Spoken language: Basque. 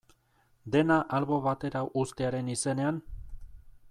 Dena albo batera uztearen izenean?